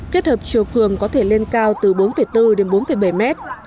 kết hợp triệu cường có thể lên cao từ bốn bốn đến bốn bảy m